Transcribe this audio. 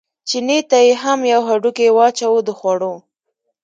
چیني ته یې هم یو هډوکی واچاوه د خوړو.